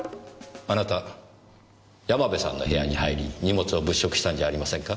あなた山部さんの部屋に入り荷物を物色したんじゃありませんか？